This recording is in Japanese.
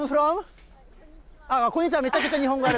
こんにちは、めちゃくちゃ日本語。